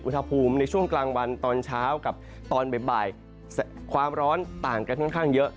อุณหภูมิในช่วงกลางวันตอนเช้ากับตอนบ่ายความร้อนต่างกันค่อนข้างเยอะ